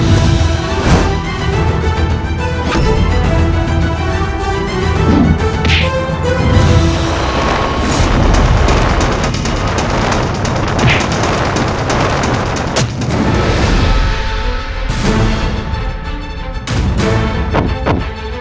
ibu sedih mangga